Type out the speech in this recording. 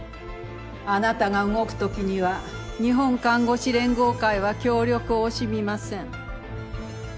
あなたが動く時には日本看護師連合会は協力を惜しみません。